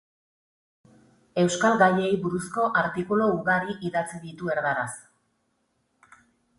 Euskal gaiei buruzko artikulu ugari idatzi ditu erdaraz.